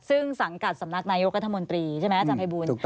ซึ่งสังกัดสำนักนายกรัฐมนตรีใช่ไหมอาจารย์ภัยบูล